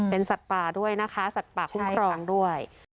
เป็นสัตว์ป่าด้วยนะคะสัตว์ป่าคุ้มครองด้วย